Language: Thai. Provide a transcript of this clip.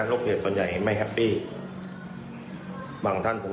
การเงินมันมีฝักมีฝ่ายฮะ